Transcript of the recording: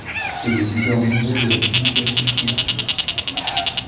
C'est le leader mondial de la publication scientifique.